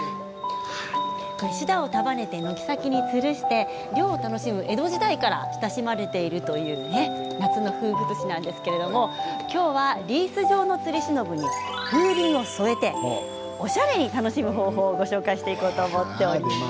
シダを束ねて軒先につるして涼を楽しむ江戸時代から親しまれている夏の風物詩なんですけれども今日はリース状の釣り忍に風鈴を添えておしゃれに楽しむ方法をご紹介していこうと思っています。